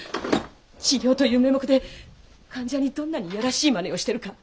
治療という名目で患者にどんなに嫌らしい真似をしてるか。